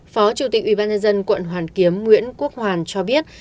phó chủ tịch ubnd quận hoàn kiếm nguyễn quốc hoàn cho biết